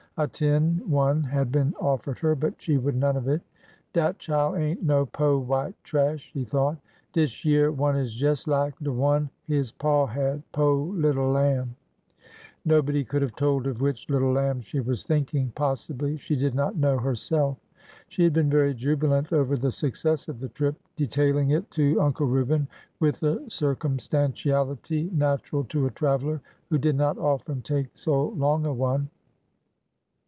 A tin one had been offered her, but she would none of it. Dat chile ain't no po' white trash! " she thought. Dishy eah one is jes' lak de one his paw had — po' little lamb 1 " Nobody could have told of which '' little lamb " she was thinking. Possibly she did not know herself. She had been very jubilant over the success of the trip, detailing it to Uncle Reuben with the circumstantiality 337 328 ORDER NO. 11 natural to a traveler who did not often take so long a one.